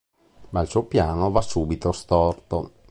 Ma il suo piano va subito storto.